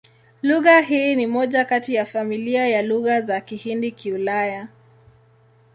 Lugha hii ni moja kati ya familia ya Lugha za Kihindi-Kiulaya.